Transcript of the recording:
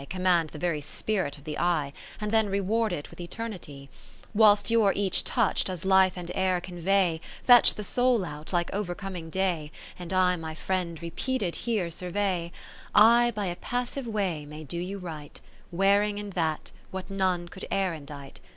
Command the very spirit of the eye, And then reward it with eternity — VII Whilst your each touch does Life and Air convey, Fetch the soul out, like overcoming day, 20 And I my friend repeated here survey — VIII I by a passive way may do you right, Wearing in that, what none could e'er indite.